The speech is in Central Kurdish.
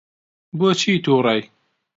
بۆچی تووڕەی؟